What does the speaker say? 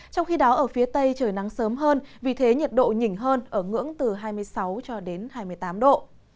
trong khi đó ở phía tây trời nắng sớm hơn vì thế nhiệt độ nhỉnh hơn ở ngưỡng từ hai mươi sáu cho đến hai mươi tám độ